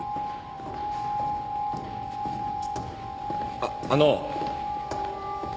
あっあの。